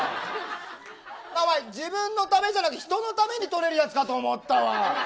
お前自分のためじゃなく人のために取れるやつかと思ったわ。